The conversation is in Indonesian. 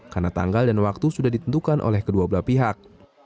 karena tanggal dan waktu sudah ditentukan oleh kedua belah pihak